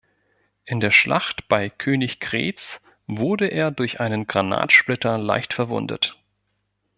In der Schlacht bei Königgrätz wurde er durch einen Granatsplitter leicht verwundet.